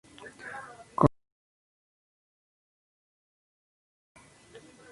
Constituyen el principal atractivo faunístico.